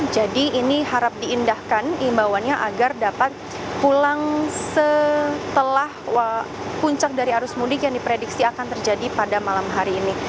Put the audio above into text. jadi ini harap diindahkan imbauannya agar dapat pulang setelah puncak dari arus mudik yang diprediksi akan terjadi pada malam hari ini